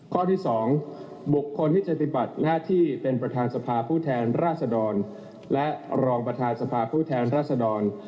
ข้อที่๒บุคคลที่จะปฏิบัติหน้าที่เป็นประธานสภาผู้แทนราชดรและรองประธานสภาผู้แทนรัศดร